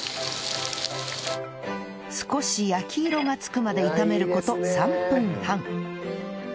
少し焼き色が付くまで炒める事３分半